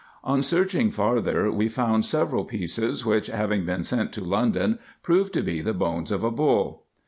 On searching farther, we found several pieces, which, having been sent to London, proved to be the bones of a bull.